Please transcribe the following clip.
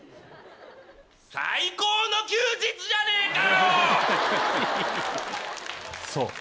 最高の休日じゃねえかよ！